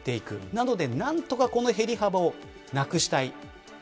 なので何とかこの減り幅をなくしたい。